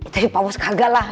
tapi pak bos kagal lah